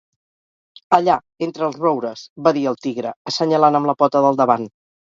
"Allà, entre els roures", va dir el tigre, assenyalant amb la pota del davant.